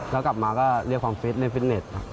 แล้วกลับมาก็เรียกความฟิตในฟิตเน็ตครับ